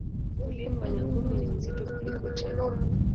ulimi wa nyangumi ni mzito kuliko tembo